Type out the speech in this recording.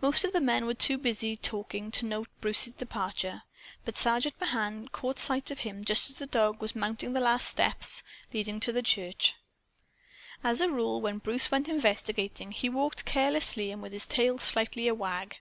Most of the men were too busy, talking, to note Bruce's departure. But Sergeant Mahan caught sight of him just as the dog was mounting the last of the steps leading into the church. As a rule, when Bruce went investigating, he walked carelessly and with his tail slightly a wag.